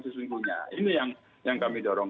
sesungguhnya ini yang kami dorong